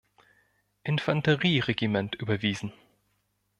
Infanterieregiment überwiesen.